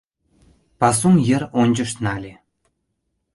Пасум йыр ончышт нале.